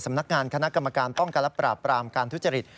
สำนักงานคณะกรรมการป้องกันและปราบปรามการทุจริต